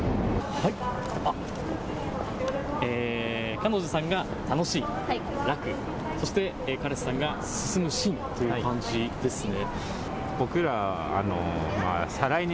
彼女さんが楽しい、楽、彼氏さんが進む、進という漢字ですね。